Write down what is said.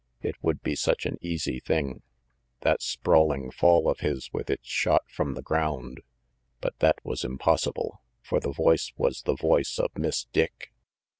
It would be such an easy thing, that sprawling fall of his with its shot from the ground. But that was impossible, for the voice was the voice of Miss Dick!